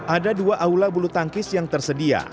ada dua aula bulu tangkis yang tersedia